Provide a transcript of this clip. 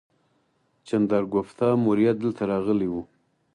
چندراګوپتا موریه دلته راغلی و